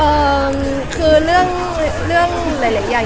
เอ่อคือเรื่องหลายอย่าง